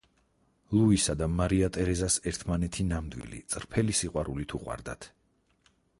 ლუისა და მარია ტერეზას ერთმანეთი ნამდვილი, წრფელი სიყვარულით უყვარდათ.